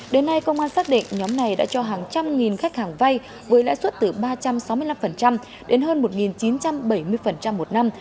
đến nay công an xác định nhóm này đã cho hàng trăm nghìn khách hàng vay với lãi suất từ ba trăm sáu mươi năm đến hơn một chín trăm bảy mươi một năm